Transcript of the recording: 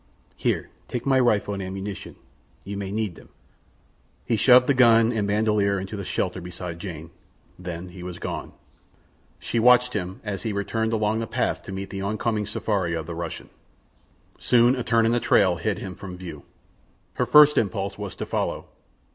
Here, take my rifle and ammunition; you may need them." He shoved the gun and bandoleer into the shelter beside Jane. Then he was gone. She watched him as he returned along the path to meet the oncoming safari of the Russian. Soon a turn in the trail hid him from view. Her first impulse was to follow.